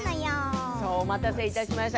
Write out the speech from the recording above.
お待たせしました。